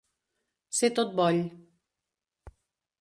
Ser tot boll.